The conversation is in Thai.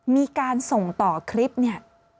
มีการส่งต่อคลิปเนี่ย